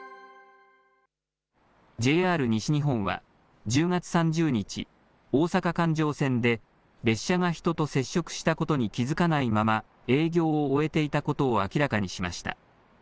ＪＲ西日本は、１０月３０日、大阪環状線で列車が人と接触したことに気付かないまま、営業を終えていたことを明らかにしました。